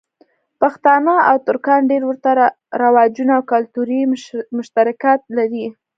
پښتانه او ترکان ډېر ورته رواجونه او کلتوری مشترکات لری.